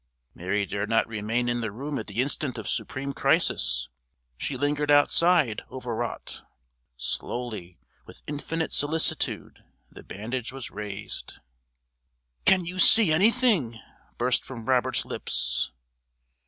Mary dared not remain in the room at the instant of supreme crisis; she lingered outside, overwrought. Slowly, with infinite solicitude, the bandage was raised. "Can you see anything?" burst from Robert's lips.